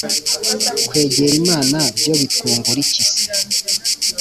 Kweger' Imana byo bitwungur' iki se?